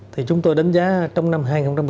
thì chúng tôi đánh giá trong năm hai nghìn một mươi chín